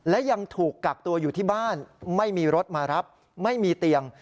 และยังถูกกักตัวอยู่ที่บ้านไม่มีรถมารับไม่มีเตียง